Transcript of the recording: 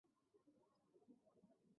以免吃亏上当